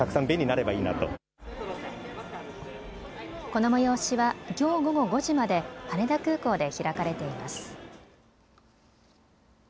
この催しはきょう午後５時まで羽田空港で開かれています。